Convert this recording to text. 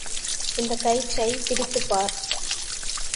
இந்தக் கயிற்றைப் பிடித்துப்பார்.